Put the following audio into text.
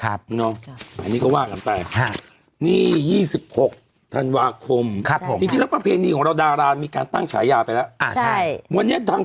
รับประเภทหนี่ของเราดาราศมีการตั้งฉายาไปแล้วอ่าใช่วันนี้ทาง